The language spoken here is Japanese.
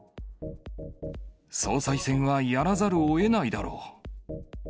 総裁選はやらざるをえないだろう。